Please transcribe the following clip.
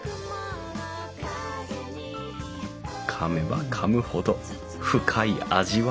かめばかむほど深い味わい。